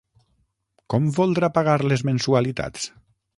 Com voldrà pagar les mensualitats?